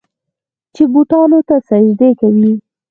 چې بوتانو ته سجدې کوي.